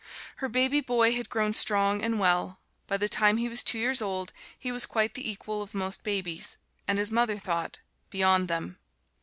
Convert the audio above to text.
Her baby boy had grown strong and well: by the time he was two years old he was quite the equal of most babies and his mother thought, beyond them.